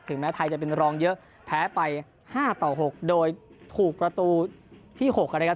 แม้ไทยจะเป็นรองเยอะแพ้ไป๕ต่อ๖โดยถูกประตูที่๖นะครับ